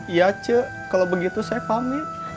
iya cek kalau begitu saya pamit